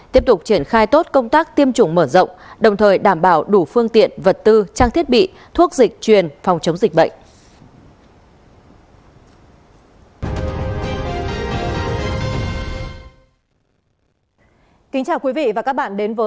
tiếp tục triển khai tốt công tác tiêm chủng mở rộng đồng thời đảm bảo đủ phương tiện vật tư trang thiết bị thuốc dịch truyền phòng chống dịch bệnh